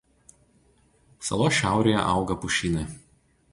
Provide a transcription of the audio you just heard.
Salos šiaurėje auga pušynai.